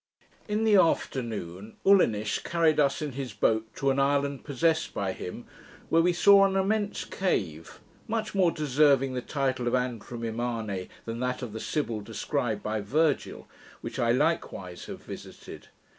In the afternoon, Ulinish carried us in his boat to an island possessed by him, where we saw an immense cave, much more deserving the title of antrum immane than that of the Sybil described by Virgil, which I likewise have visited.